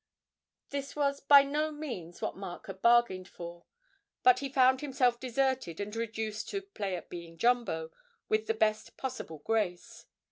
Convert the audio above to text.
This was by no means what Mark had bargained for; but he found himself deserted and reduced to 'play at being Jumbo' with the best possible grace.